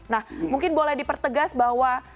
nah mungkin boleh dipertegas bahwa